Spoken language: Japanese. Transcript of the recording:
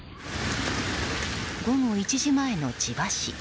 午後１時前の千葉市。